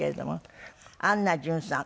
安奈淳さん